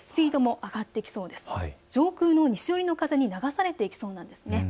上空の西寄りの風に流されていきそうなんですね。